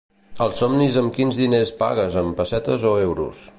Als somnis amb quins diners pagues amb pessetes o euros?